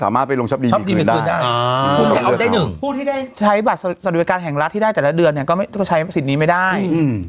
สามารถไปลงชอบดีมีคืนได้เอาได้๑ผู้ที่ได้ใช้บัตรสรรวจการแห่งลักษณ์ที่ได้แต่ละเดือนเนี่ยก็ใช้สิทธิ์นี้ไม่ได้